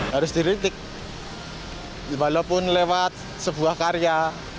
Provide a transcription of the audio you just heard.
harus diritik walaupun lewat sebuah karya